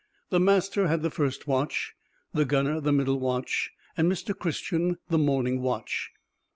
The master had the first watch, the gunner the middle watch, and Mr. Christian the morning watch.